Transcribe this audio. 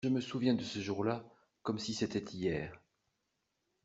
Je me souviens de ce jour-là comme si c'était hier.